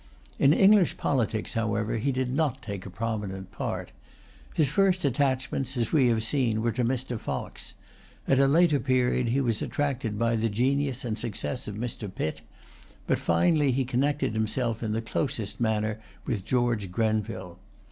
In English politics, however, he did not take a prominent part. His first attachments, as we have seen, were to Mr. Fox; at a later period he was attracted by the genius and success of Mr. Pitt; but finally he connected himself in the closest manner with George Grenville.